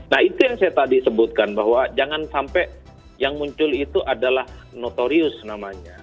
nah itu yang saya tadi sebutkan bahwa jangan sampai yang muncul itu adalah notorius namanya